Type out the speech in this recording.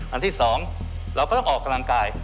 อันที่๒เราก็ต้องออกกำลังกาย